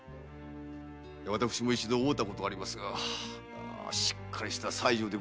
私も一度会うたことがありますがしっかりした妻女でした。